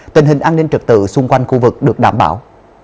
tình hình an ninh trật tự xung quanh khu vực được đảm bảo